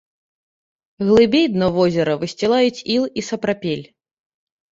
Глыбей дно возера высцілаюць іл і сапрапель.